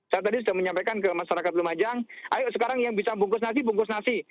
saya tadi sudah menyampaikan ke masyarakat lumajang ayo sekarang yang bisa bungkus nasi bungkus nasi